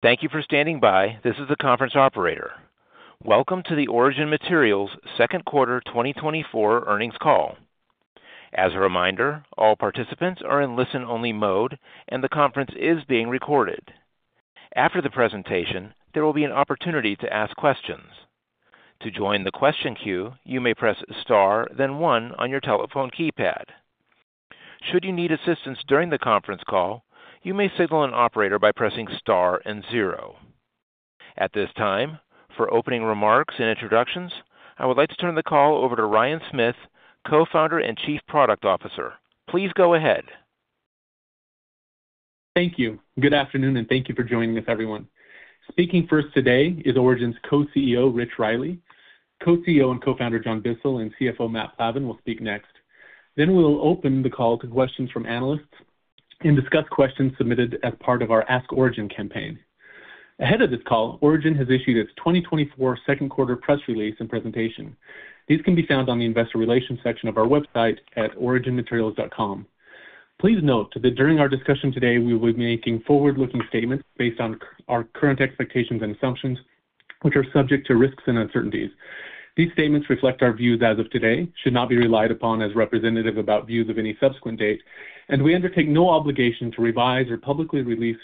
Thank you for standing by. This is the conference operator. Welcome to the Origin Materials Second Quarter 2024 Earnings Call. As a reminder, all participants are in listen-only mode, and the conference is being recorded. After the presentation, there will be an opportunity to ask questions. To join the question queue, you may press star, then one on your telephone keypad. Should you need assistance during the conference call, you may signal an operator by pressing star and zero. At this time, for opening remarks and introductions, I would like to turn the call over to Ryan Smith, Co-Founder and Chief Product Officer. Please go ahead. Thank you. Good afternoon, and thank you for joining us, everyone. Speaking first today is Origin's Co-CEO, Rich Riley, Co-CEO and Co-Founder, John Bissell, and CFO Matt Plavan will speak next. Then we'll open the call to questions from analysts and discuss questions submitted as part of our Ask Origin campaign. Ahead of this call, Origin has issued its 2024 second quarter press release and presentation. These can be found on the Investor Relations section of our website at originmaterials.com. Please note that during our discussion today, we will be making forward-looking statements based on our current expectations and assumptions, which are subject to risks and uncertainties. These statements reflect our views as of today, should not be relied upon as representative about views of any subsequent date, and we undertake no obligation to revise or publicly release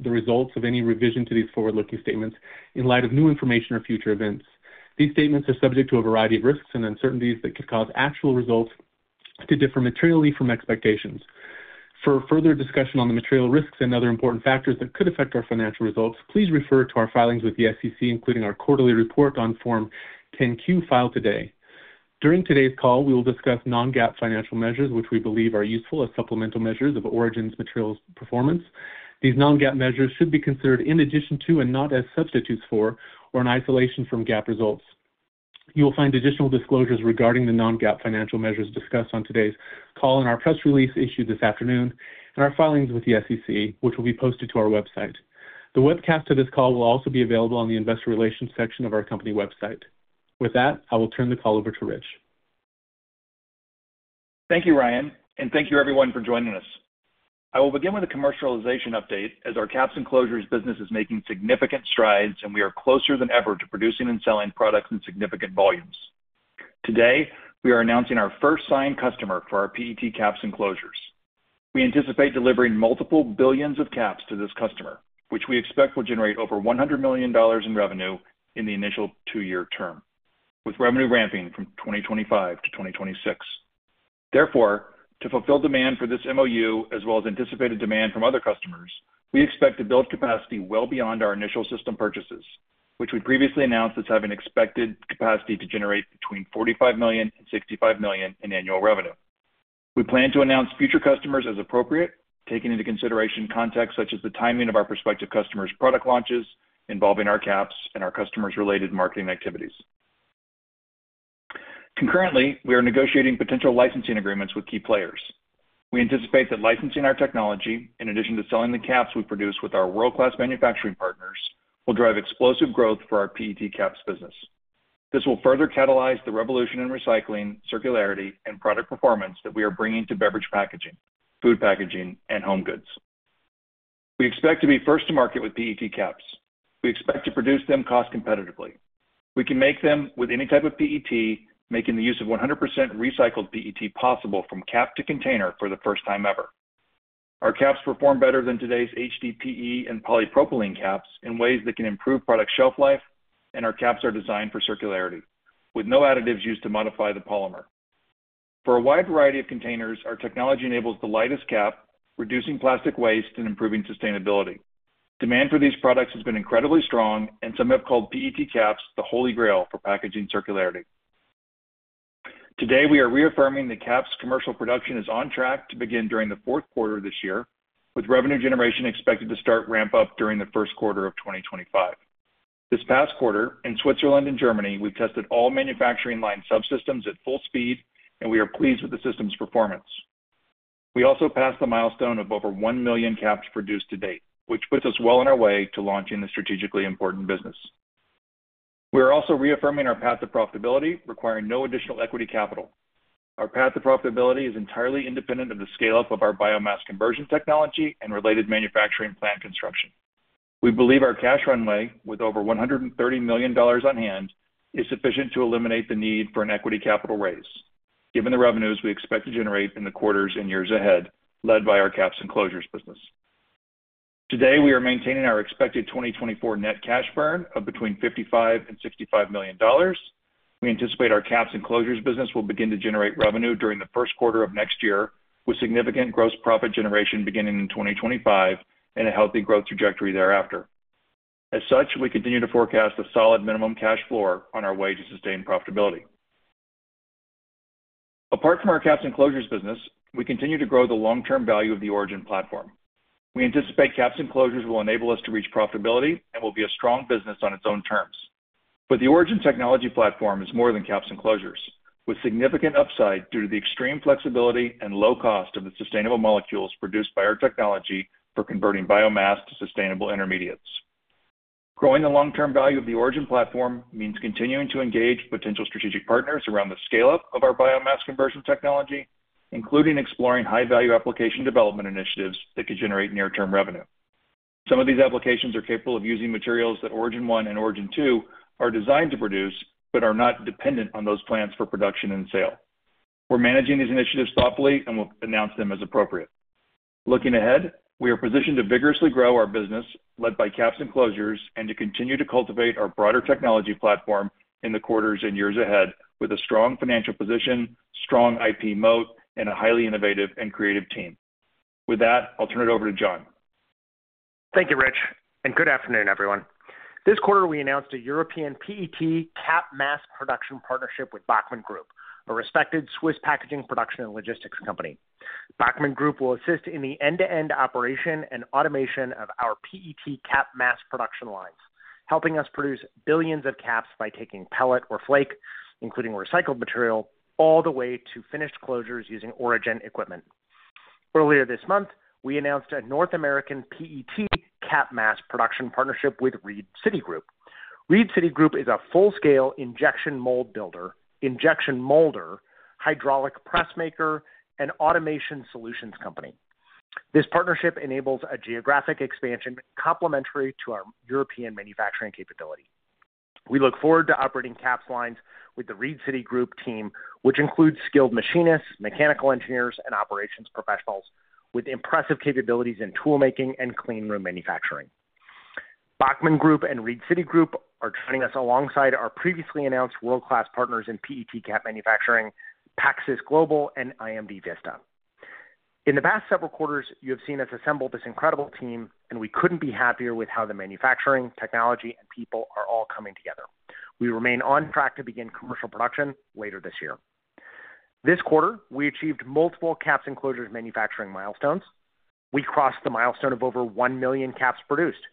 the results of any revision to these forward-looking statements in light of new information or future events. These statements are subject to a variety of risks and uncertainties that could cause actual results to differ materially from expectations. For further discussion on the material risks and other important factors that could affect our financial results, please refer to our filings with the SEC, including our quarterly report on Form 10-Q filed today. During today's call, we will discuss non-GAAP financial measures, which we believe are useful as supplemental measures of Origin Materials' performance. These non-GAAP measures should be considered in addition to and not as substitutes for, or in isolation from GAAP results. You will find additional disclosures regarding the non-GAAP financial measures discussed on today's call in our press release issued this afternoon and our filings with the SEC, which will be posted to our website. The webcast of this call will also be available on the investor relations section of our company website. With that, I will turn the call over to Rich. Thank you, Ryan, and thank you everyone for joining us. I will begin with a commercialization update as our caps and closures business is making significant strides, and we are closer than ever to producing and selling products in significant volumes. Today, we are announcing our first signed customer for our PET caps and closures. We anticipate delivering multiple billions of caps to this customer, which we expect will generate over $100 million in revenue in the initial two-year term, with revenue ramping from 2025 to 2026. Therefore, to fulfill demand for this MOU, as well as anticipated demand from other customers, we expect to build capacity well beyond our initial system purchases, which we previously announced as having expected capacity to generate between $45 million and $65 million in annual revenue. We plan to announce future customers as appropriate, taking into consideration context such as the timing of our prospective customers' product launches involving our caps and our customers' related marketing activities. Concurrently, we are negotiating potential licensing agreements with key players. We anticipate that licensing our technology, in addition to selling the caps we produce with our world-class manufacturing partners, will drive explosive growth for our PET caps business. This will further catalyze the revolution in recycling, circularity, and product performance that we are bringing to beverage packaging, food packaging, and home goods. We expect to be first to market with PET caps. We expect to produce them cost competitively. We can make them with any type of PET, making the use of 100% recycled PET possible from cap to container for the first time ever. Our caps perform better than today's HDPE and polypropylene caps in ways that can improve product shelf life, and our caps are designed for circularity, with no additives used to modify the polymer. For a wide variety of containers, our technology enables the lightest cap, reducing plastic waste and improving sustainability. Demand for these products has been incredibly strong, and some have called PET caps the holy grail for packaging circularity. Today, we are reaffirming that caps commercial production is on track to begin during the fourth quarter of this year, with revenue generation expected to start ramp up during the first quarter of 2025. This past quarter, in Switzerland and Germany, we've tested all manufacturing line subsystems at full speed, and we are pleased with the system's performance. We also passed the milestone of over 1 million caps produced to date, which puts us well on our way to launching this strategically important business. We are also reaffirming our path to profitability, requiring no additional equity capital. Our path to profitability is entirely independent of the scale-up of our biomass conversion technology and related manufacturing plant construction. We believe our cash runway, with over $130 million on hand, is sufficient to eliminate the need for an equity capital raise, given the revenues we expect to generate in the quarters and years ahead, led by our caps and closures business. Today, we are maintaining our expected 2024 net cash burn of between $55 million and $65 million. We anticipate our caps and closures business will begin to generate revenue during the first quarter of next year, with significant gross profit generation beginning in 2025 and a healthy growth trajectory thereafter. As such, we continue to forecast a solid minimum cash floor on our way to sustained profitability. Apart from our caps and closures business, we continue to grow the long-term value of the Origin platform. We anticipate caps and closures will enable us to reach profitability and will be a strong business on its own terms. But the Origin technology platform is more than caps and closures, with significant upside due to the extreme flexibility and low cost of the sustainable molecules produced by our technology for converting biomass to sustainable intermediates. Growing the long-term value of the Origin platform means continuing to engage potential strategic partners around the scale-up of our biomass conversion technology, including exploring high-value application development initiatives that could generate near-term revenue. Some of these applications are capable of using materials that Origin 1 and Origin 2 are designed to produce, but are not dependent on those plants for production and sale. We're managing these initiatives thoughtfully, and we'll announce them as appropriate. Looking ahead, we are positioned to vigorously grow our business, led by caps and closures, and to continue to cultivate our broader technology platform in the quarters and years ahead, with a strong financial position, strong IP moat, and a highly innovative and creative team. With that, I'll turn it over to John. Thank you, Rich, and good afternoon, everyone. This quarter, we announced a European PET cap mass production partnership with Bachmann Group, a respected Swiss packaging, production, and logistics company. Bachmann Group will assist in the end-to-end operation and automation of our PET cap mass production lines, helping us produce billions of caps by taking pellet or flake, including recycled material, all the way to finished closures using Origin equipment. Earlier this month, we announced a North American PET cap mass production partnership with Reed City Group. Reed City Group is a full-scale injection mold builder, injection molder, hydraulic press maker, and automation solutions company. This partnership enables a geographic expansion complementary to our European manufacturing capability. We look forward to operating caps lines with the Reed City Group team, which includes skilled machinists, mechanical engineers, and operations professionals with impressive capabilities in toolmaking and clean room manufacturing. Bachmann Group and Reed City Group are joining us alongside our previously announced world-class partners in PET cap manufacturing, PackSys Global and IMDvista. In the past several quarters, you have seen us assemble this incredible team, and we couldn't be happier with how the manufacturing, technology, and people are all coming together. We remain on track to begin commercial production later this year. This quarter, we achieved multiple caps and closures manufacturing milestones. We crossed the milestone of over 1 million caps produced.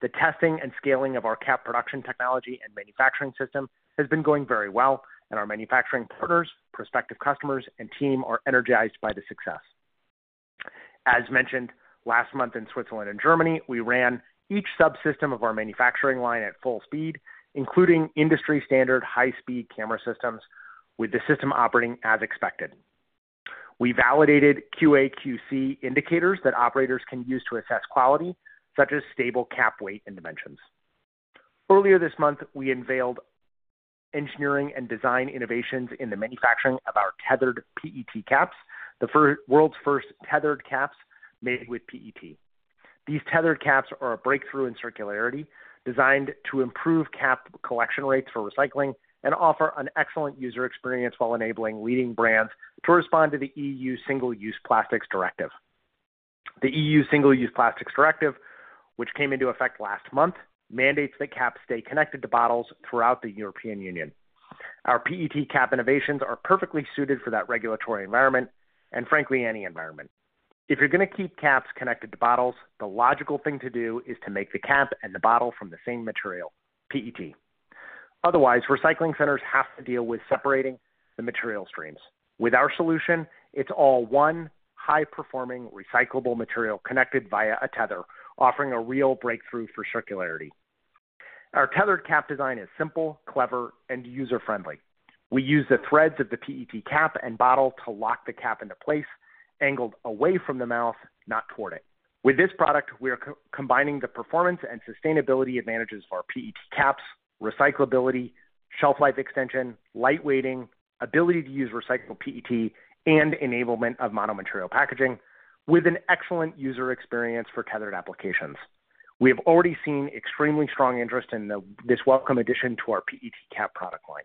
The testing and scaling of our cap production technology and manufacturing system has been going very well, and our manufacturing partners, prospective customers, and team are energized by the success. As mentioned, last month in Switzerland and Germany, we ran each subsystem of our manufacturing line at full speed, including industry standard high-speed camera systems, with the system operating as expected. We validated QA/QC indicators that operators can use to assess quality, such as stable cap weight and dimensions. Earlier this month, we unveiled engineering and design innovations in the manufacturing of our tethered PET caps, the world's first tethered caps made with PET. These tethered caps are a breakthrough in circularity, designed to improve cap collection rates for recycling and offer an excellent user experience while enabling leading brands to respond to the EU Single-Use Plastics Directive. The EU Single-Use Plastics Directive, which came into effect last month, mandates that caps stay connected to bottles throughout the European Union. Our PET cap innovations are perfectly suited for that regulatory environment and frankly, any environment. If you're going to keep caps connected to bottles, the logical thing to do is to make the cap and the bottle from the same material, PET. Otherwise, recycling centers have to deal with separating the material streams. With our solution, it's all one high-performing, recyclable material connected via a tether, offering a real breakthrough for circularity. Our tethered cap design is simple, clever, and user-friendly. We use the threads of the PET cap and bottle to lock the cap into place, angled away from the mouth, not toward it. With this product, we are co-combining the performance and sustainability advantages of our PET caps, recyclability, shelf life extension, lightweighting, ability to use recycled PET, and enablement of mono-material packaging with an excellent user experience for tethered applications. We have already seen extremely strong interest in this welcome addition to our PET cap product line.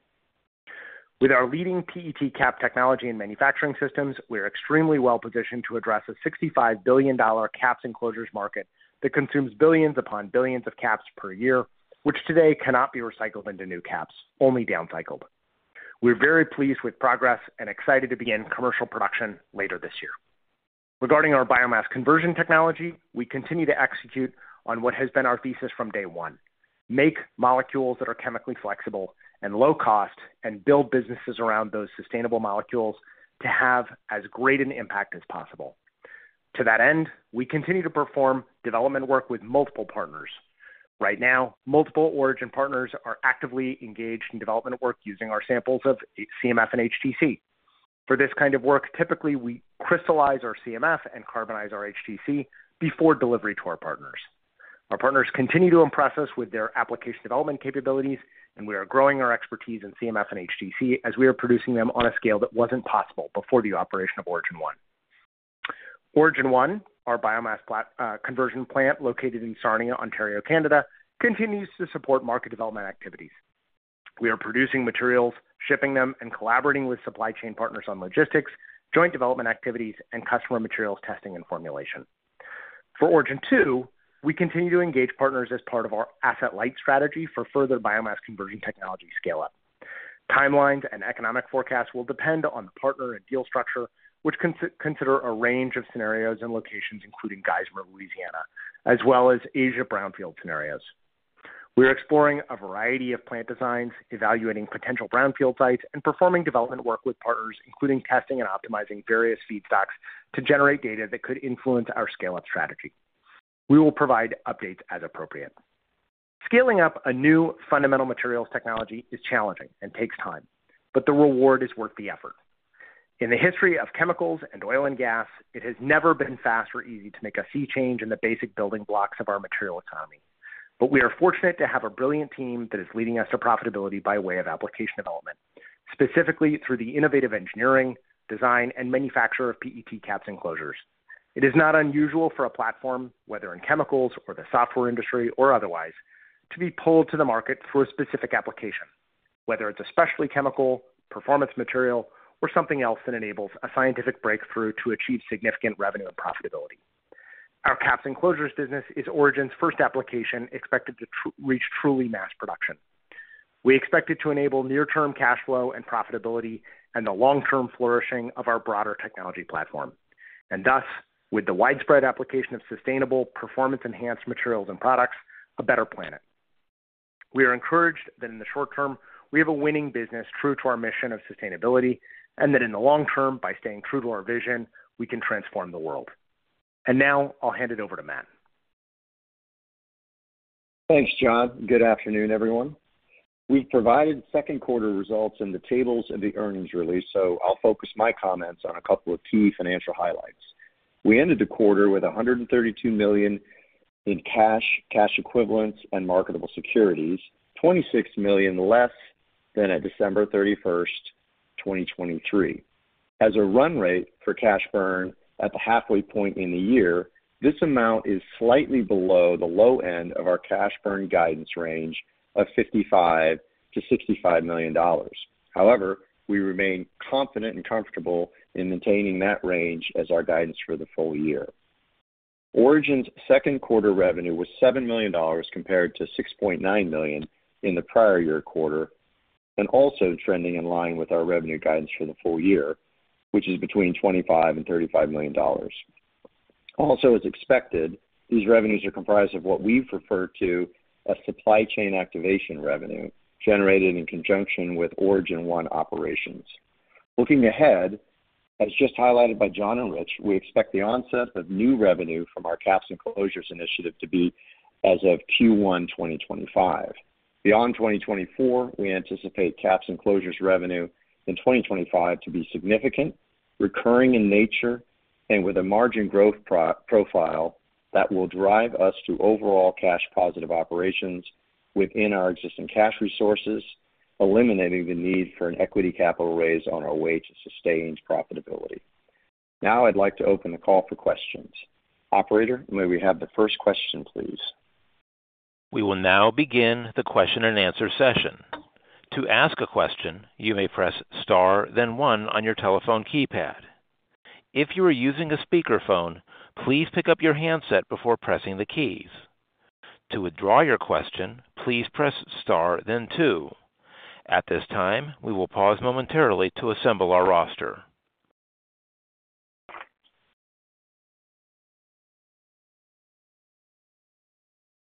With our leading PET cap technology and manufacturing systems, we are extremely well positioned to address a $65 billion caps and closures market that consumes billions upon billions of caps per year, which today cannot be recycled into new caps, only downcycled. We're very pleased with progress and excited to begin commercial production later this year. Regarding our biomass conversion technology, we continue to execute on what has been our thesis from day one: make molecules that are chemically flexible and low cost, and build businesses around those sustainable molecules to have as great an impact as possible. To that end, we continue to perform development work with multiple partners. Right now, multiple Origin partners are actively engaged in development work using our samples of CMF and HTC. For this kind of work, typically, we crystallize our CMF and carbonize our HTC before delivery to our partners. Our partners continue to impress us with their application development capabilities, and we are growing our expertise in CMF and HTC as we are producing them on a scale that wasn't possible before the operation of Origin 1. Origin 1, our biomass conversion plant, located in Sarnia, Ontario, Canada, continues to support market development activities. We are producing materials, shipping them, and collaborating with supply chain partners on logistics, joint development activities, and customer materials testing and formulation. For Origin 2, we continue to engage partners as part of our asset-light strategy for further biomass conversion technology scale-up. Timelines and economic forecasts will depend on the partner and deal structure, which consider a range of scenarios and locations, including Geismar, Louisiana, as well as Asia brownfield scenarios. We are exploring a variety of plant designs, evaluating potential brownfield sites, and performing development work with partners, including testing and optimizing various feedstocks to generate data that could influence our scale-up strategy. We will provide updates as appropriate... Scaling up a new fundamental materials technology is challenging and takes time, but the reward is worth the effort. In the history of chemicals and oil and gas, it has never been fast or easy to make a sea change in the basic building blocks of our material economy. But we are fortunate to have a brilliant team that is leading us to profitability by way of application development, specifically through the innovative engineering, design, and manufacture of PET caps and closures. It is not unusual for a platform, whether in chemicals or the software industry or otherwise, to be pulled to the market through a specific application, whether it's a specialty chemical, performance material, or something else that enables a scientific breakthrough to achieve significant revenue and profitability. Our caps and closures business is Origin's first application expected to reach truly mass production. We expect it to enable near-term cash flow and profitability and the long-term flourishing of our broader technology platform, and thus, with the widespread application of sustainable performance-enhanced materials and products, a better planet. We are encouraged that in the short term, we have a winning business true to our mission of sustainability, and that in the long term, by staying true to our vision, we can transform the world. And now I'll hand it over to Matt. Thanks, John. Good afternoon, everyone. We've provided second quarter results in the tables of the earnings release, so I'll focus my comments on a couple of key financial highlights. We ended the quarter with $132 million in cash, cash equivalents, and marketable securities, $26 million less than at December 31st, 2023. As a run rate for cash burn at the halfway point in the year, this amount is slightly below the low end of our cash burn guidance range of $55 million-$65 million. However, we remain confident and comfortable in maintaining that range as our guidance for the full year. Origin's second quarter revenue was $7 million, compared to $6.9 million in the prior year quarter, and also trending in line with our revenue guidance for the full year, which is between $25 million and $35 million. Also, as expected, these revenues are comprised of what we've referred to as supply chain activation revenue, generated in conjunction with Origin 1 operations. Looking ahead, as just highlighted by John and Rich, we expect the onset of new revenue from our caps and closures initiative to be as of Q1 2025. Beyond 2024, we anticipate caps and closures revenue in 2025 to be significant, recurring in nature, and with a margin growth profile that will drive us to overall cash positive operations within our existing cash resources, eliminating the need for an equity capital raise on our way to sustained profitability. Now I'd like to open the call for questions. Operator, may we have the first question, please? We will now begin the question-and-answer session. To ask a question, you may press star, then one on your telephone keypad. If you are using a speakerphone, please pick up your handset before pressing the keys. To withdraw your question, please press star then two. At this time, we will pause momentarily to assemble our roster.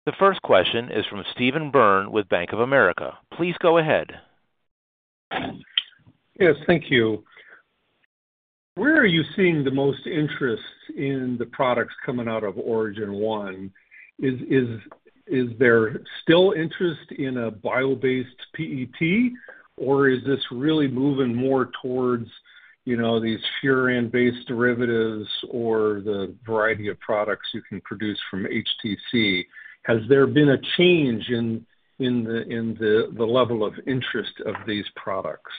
The first question is from Steven Byrne with Bank of America. Please go ahead. Yes, thank you. Where are you seeing the most interest in the products coming out of Origin 1? Is there still interest in a bio-based PET, or is this really moving more towards, you know, these furan-based derivatives or the variety of products you can produce from HTC? Has there been a change in the level of interest of these products?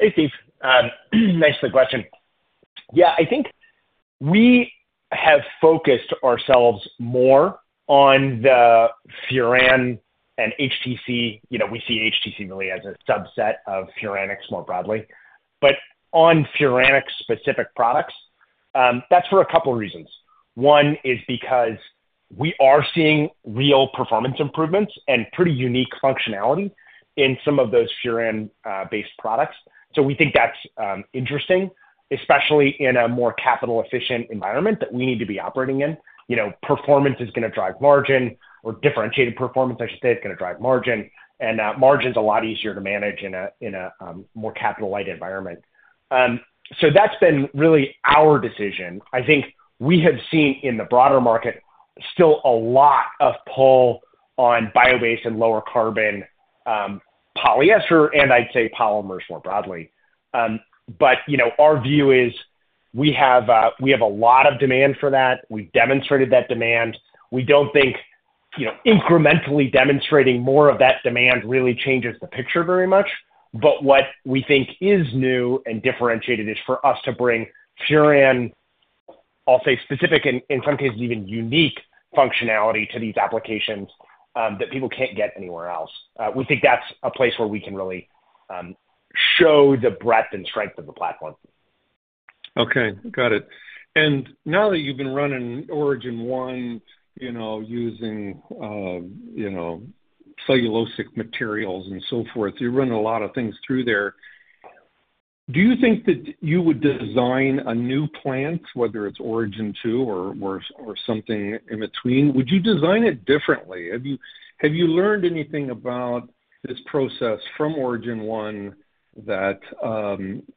Hey, Steve, thanks for the question. Yeah, I think we have focused ourselves more on the furan and HTC. You know, we see HTC really as a subset of furans more broadly, but on furanic specific products, that's for a couple of reasons. One is because we are seeing real performance improvements and pretty unique functionality in some of those furan based products. So we think that's interesting, especially in a more capital-efficient environment that we need to be operating in. You know, performance is gonna drive margin or differentiated performance, I should say, is gonna drive margin, and margin's a lot easier to manage in a more capital-light environment. So that's been really our decision. I think we have seen in the broader market, still a lot of pull on bio-based and lower carbon, polyester and I'd say polymers more broadly. But, you know, our view is, we have, we have a lot of demand for that. We've demonstrated that demand. We don't think, you know, incrementally demonstrating more of that demand really changes the picture very much. But what we think is new and differentiated is for us to bring furan, I'll say, specific, and in some cases, even unique functionality to these applications, that people can't get anywhere else. We think that's a place where we can really, show the breadth and strength of the platform. Okay, got it. And now that you've been running Origin 1, you know, using, you know, cellulosic materials and so forth, you're running a lot of things through there. Do you think that you would design a new plant, whether it's Origin 2 or, or, or something in between? Would you design it differently? Have you learned anything about this process from Origin 1 that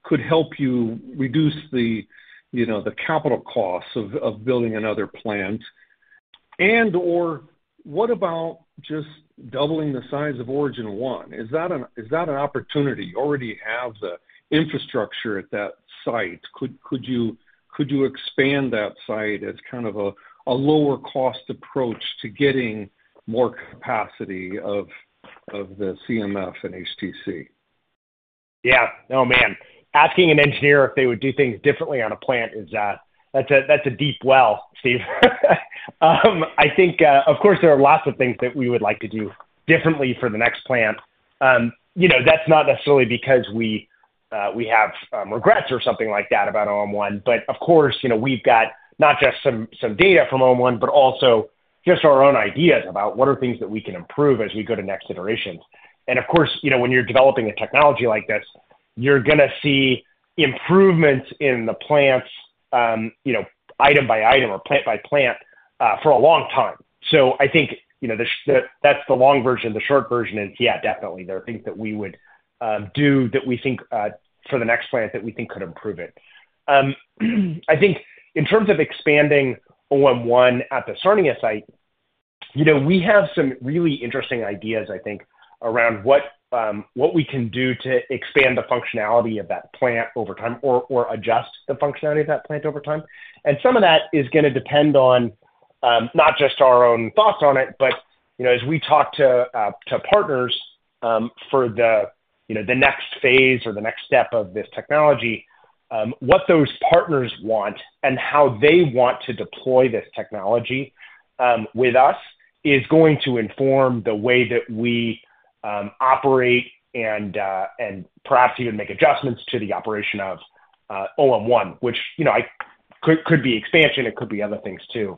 could help you reduce the, you know, the capital costs of building another plant? And or what about just doubling the size of Origin 1? Is that an opportunity? You already have the infrastructure at that site. Could you expand that site as kind of a lower cost approach to getting more capacity of the CMF and HTC? Yeah. Oh, man. Asking an engineer if they would do things differently on a plant, that's a deep well, Steve. I think, of course, there are lots of things that we would like to do differently for the next plant. You know, that's not necessarily because we have regrets or something like that about OM1, but of course, you know, we've got not just some data from OM1, but also just our own ideas about what are things that we can improve as we go to next iterations. And of course, you know, when you're developing a technology like this, you're gonna see improvements in the plants, you know, item by item or plant by plant, for a long time. So I think, you know, that's the long version. The short version is, yeah, definitely, there are things that we would do that we think for the next plant, that we think could improve it. I think in terms of expanding OM1 at the Sarnia site, you know, we have some really interesting ideas, I think, around what what we can do to expand the functionality of that plant over time or adjust the functionality of that plant over time. Some of that is gonna depend on, not just our own thoughts on it, but, you know, as we talk to partners, for the, you know, the next phase or the next step of this technology, what those partners want and how they want to deploy this technology, with us, is going to inform the way that we operate and perhaps even make adjustments to the operation of OM1, which, you know, I could be expansion, it could be other things too.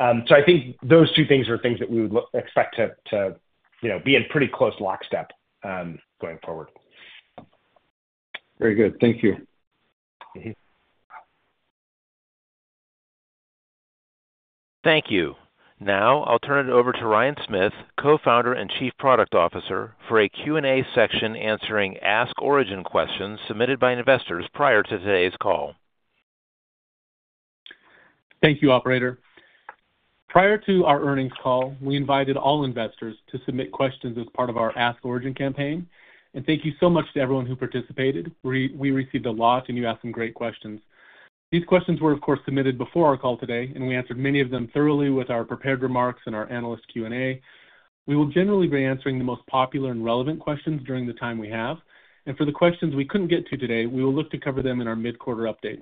So I think those two things are things that we would expect to, you know, be in pretty close lockstep, going forward. Very good. Thank you. Mm-hmm. Thank you. Now, I'll turn it over to Ryan Smith, Co-Founder and Chief Product Officer, for a Q&A section, answering Ask Origin questions submitted by investors prior to today's call. Thank you, operator. Prior to our earnings call, we invited all investors to submit questions as part of our Ask Origin campaign, and thank you so much to everyone who participated. We received a lot, and you asked some great questions. These questions were, of course, submitted before our call today, and we answered many of them thoroughly with our prepared remarks and our analyst Q&A. We will generally be answering the most popular and relevant questions during the time we have, and for the questions we couldn't get to today, we will look to cover them in our mid-quarter update.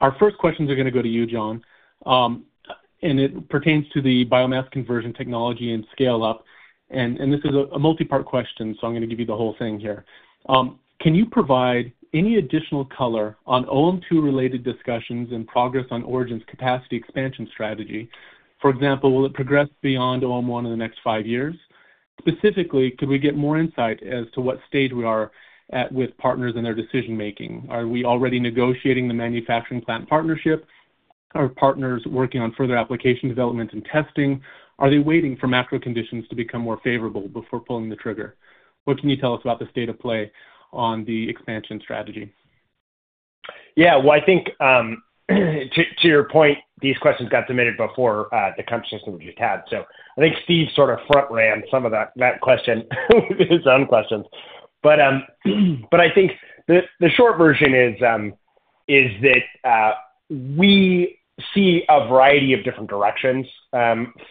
Our first questions are gonna go to you, John, and it pertains to the biomass conversion technology and scale-up, and this is a multipart question, so I'm gonna give you the whole thing here. Can you provide any additional color on OM2 related discussions and progress on Origin's capacity expansion strategy? For example, will it progress beyond OM1 in the next five years? Specifically, could we get more insight as to what stage we are at with partners in their decision-making? Are we already negotiating the manufacturing plant partnership? Are partners working on further application development and testing? Are they waiting for macro conditions to become more favorable before pulling the trigger? What can you tell us about the state of play on the expansion strategy? Yeah, well, I think to your point, these questions got submitted before the conversation we just had, so I think Steve sort of front ran some of that question, his own questions. But I think the short version is that we see a variety of different directions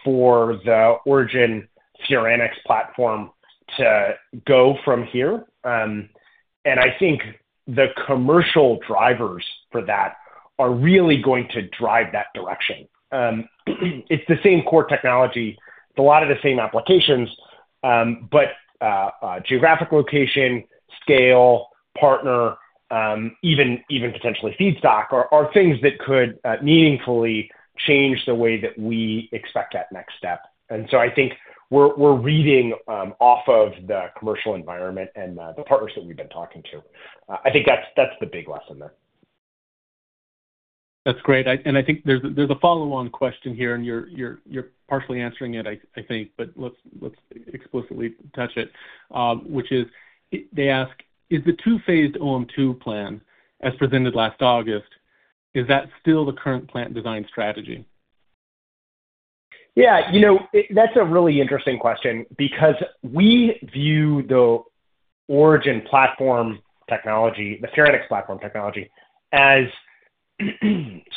for the Origin furanics platform to go from here. And I think the commercial drivers for that are really going to drive that direction. It's the same core technology, it's a lot of the same applications, but geographic location, scale, partner, even potentially feedstock are things that could meaningfully change the way that we expect that next step. And so I think we're reading off of the commercial environment and the partners that we've been talking to. I think that's the big lesson there. That's great. And I think there's a follow-on question here, and you're partially answering it, I think, but let's explicitly touch it. Which is, they ask: "Is the two-phased OM2 plan, as presented last August, is that still the current plant design strategy? Yeah, you know, that's a really interesting question because we view the Origin platform technology, the furanics platform technology, as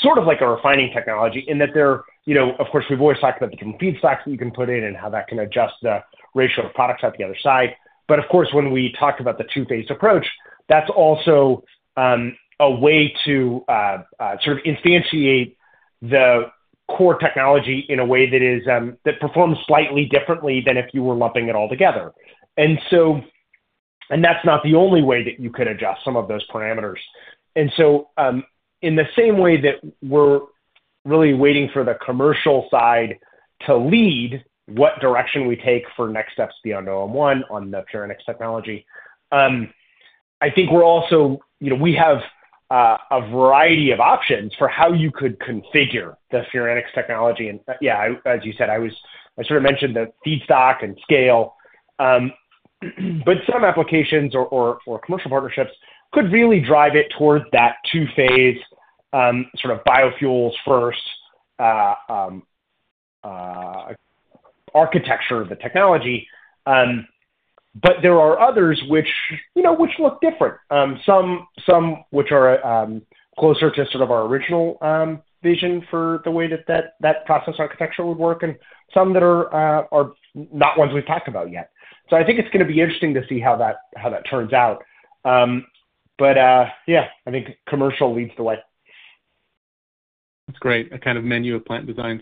sort of like a refining technology, in that they're. You know, of course, we've always talked about the different feedstocks that you can put in and how that can adjust the ratio of products out the other side. But of course, when we talked about the two-phase approach, that's also a way to sort of instantiate the core technology in a way that is that performs slightly differently than if you were lumping it all together. And so, and that's not the only way that you could adjust some of those parameters. And so, in the same way that we're really waiting for the commercial side to lead what direction we take for next steps beyond OM1 on the furanics technology, I think we're also you know, we have a variety of options for how you could configure the furanics technology. And, yeah, as you said, I was I sort of mentioned the feedstock and scale.... But some applications or commercial partnerships could really drive it towards that two-phase, sort of biofuels first, architecture of the technology. But there are others which, you know, which look different. Some which are closer to sort of our original vision for the way that process architecture would work, and some that are are not ones we've talked about yet. So I think it's gonna be interesting to see how that turns out. But, yeah, I think commercial leads the way. That's great. A kind of menu of plant designs.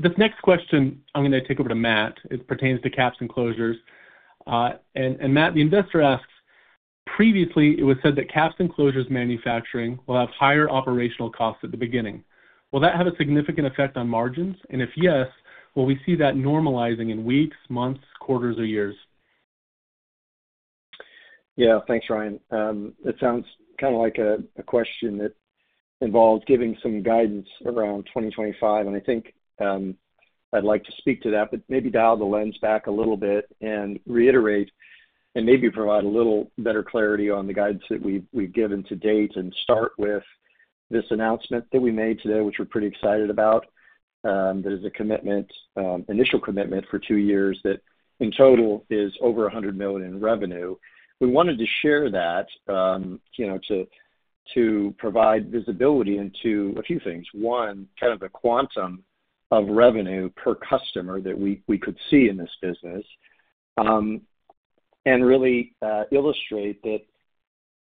This next question, I'm gonna take over to Matt. It pertains to caps and closures. Matt, the investor asks: Previously, it was said that caps and closures manufacturing will have higher operational costs at the beginning. Will that have a significant effect on margins? And if yes, will we see that normalizing in weeks, months, quarters, or years? Yeah. Thanks, Ryan. It sounds kinda like a question that involves giving some guidance around 2025, and I think I'd like to speak to that, but maybe dial the lens back a little bit and reiterate and maybe provide a little better clarity on the guidance that we've given to date. And start with this announcement that we made today, which we're pretty excited about, that is a commitment, initial commitment for two years, that in total is over $100 million in revenue. We wanted to share that, you know, to provide visibility into a few things. One, kind of the quantum of revenue per customer that we could see in this business, and really illustrate that,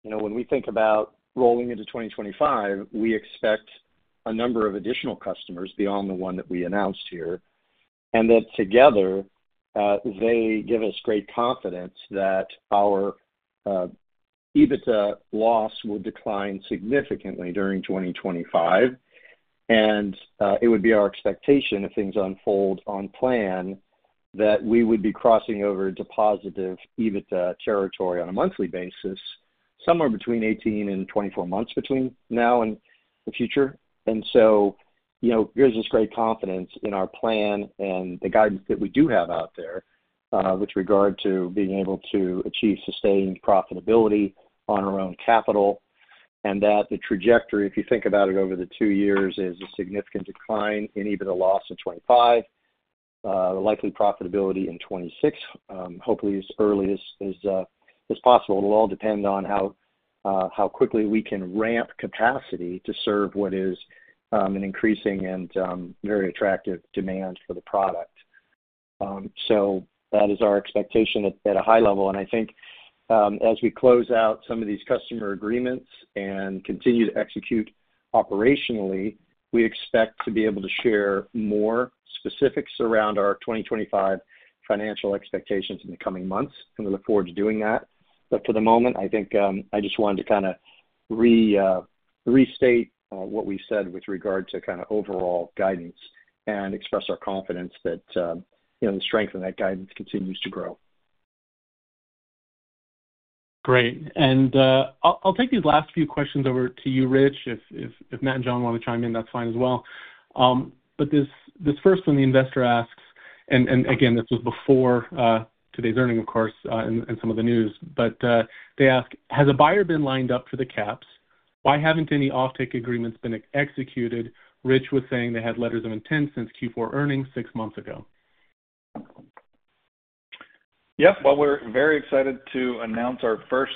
you know, when we think about rolling into 2025, we expect a number of additional customers beyond the one that we announced here, and that together they give us great confidence that our EBITDA loss will decline significantly during 2025. It would be our expectation, if things unfold on plan, that we would be crossing over to positive EBITDA territory on a monthly basis, somewhere between 18 and 24 months between now and the future. And so, you know, gives us great confidence in our plan and the guidance that we do have out there, with regard to being able to achieve sustained profitability on our own capital, and that the trajectory, if you think about it over the two years, is a significant decline in EBITDA loss in 2025. The likely profitability in 2026, hopefully, as early as possible. It'll all depend on how quickly we can ramp capacity to serve what is an increasing and very attractive demand for the product. So that is our expectation at a high level, and I think, as we close out some of these customer agreements and continue to execute operationally, we expect to be able to share more specifics around our 2025 financial expectations in the coming months, and we look forward to doing that. But for the moment, I think, I just wanted to kinda restate what we said with regard to kinda overall guidance and express our confidence that, you know, the strength of that guidance continues to grow. Great. I'll take these last few questions over to you, Rich, if Matt and John want to chime in, that's fine as well. But this first one, the investor asks... And again, this was before today's earnings, of course, and some of the news, but they ask: Has a buyer been lined up for the caps? Why haven't any offtake agreements been executed? Rich was saying they had letters of intent since Q4 earnings six months ago. Yep. Well, we're very excited to announce our first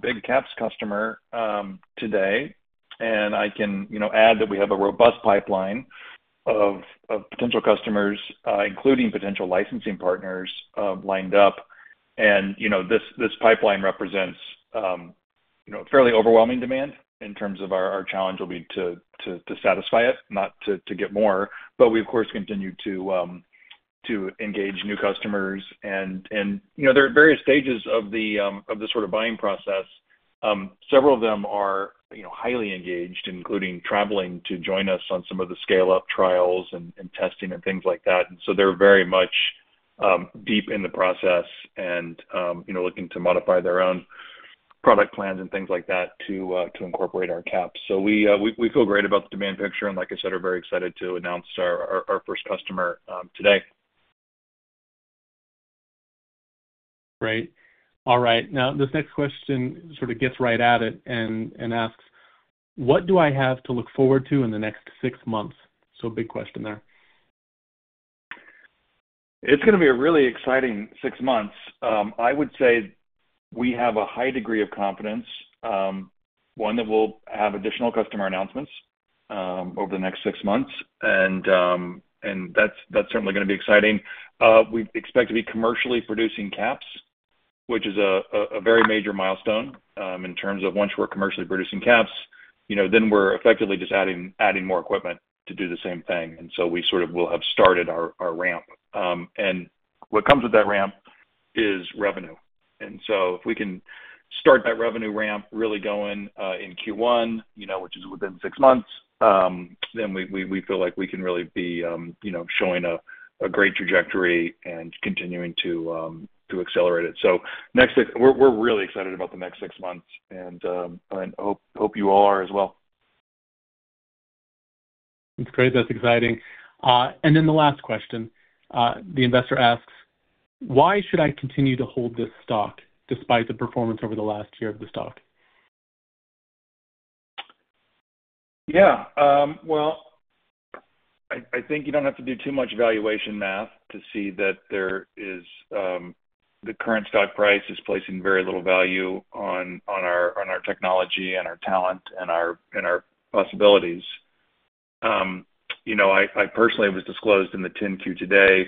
big caps customer today, and I can, you know, add that we have a robust pipeline of potential customers, including potential licensing partners, lined up. And, you know, this pipeline represents, you know, fairly overwhelming demand in terms of our challenge will be to satisfy it, not to get more. But we, of course, continue to engage new customers. And, you know, there are various stages of the sort of buying process. Several of them are, you know, highly engaged, including traveling to join us on some of the scale-up trials and testing and things like that. And so they're very much deep in the process and, you know, looking to modify their own product plans and things like that to incorporate our caps. So we feel great about the demand picture, and like I said, are very excited to announce our first customer today. Great. All right, now, this next question sort of gets right at it and asks: What do I have to look forward to in the next six months? So big question there. It's gonna be a really exciting six months. I would say we have a high degree of confidence, one, that we'll have additional customer announcements over the next six months, and that's certainly gonna be exciting. We expect to be commercially producing caps, which is a very major milestone. In terms of once we're commercially producing caps, you know, then we're effectively just adding more equipment to do the same thing, and so we sort of will have started our ramp. And what comes with that ramp is revenue. And so if we can start that revenue ramp really going in Q1, you know, which is within six months, then we feel like we can really be, you know, showing a great trajectory and continuing to accelerate it. So, next six, we're really excited about the next six months, and hope you all are as well. That's great. That's exciting. And then the last question, the investor asks: Why should I continue to hold this stock despite the performance over the last year of the stock? Yeah, well, I think you don't have to do too much valuation math to see that there is the current stock price is placing very little value on our technology and our talent and our possibilities. You know, I personally, it was disclosed in the 10-Q today,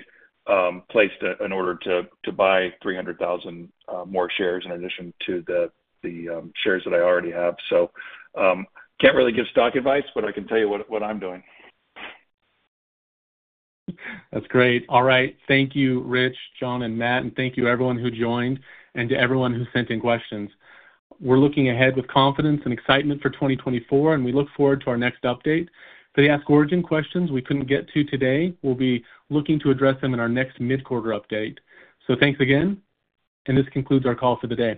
placed an order to buy 300,000 more shares in addition to the shares that I already have. So, can't really give stock advice, but I can tell you what I'm doing. That's great. All right. Thank you, Rich, John, and Matt, and thank you everyone who joined and to everyone who sent in questions. We're looking ahead with confidence and excitement for 2024, and we look forward to our next update. For the Origin questions we couldn't get to today, we'll be looking to address them in our next mid-quarter update. So thanks again, and this concludes our call for the day.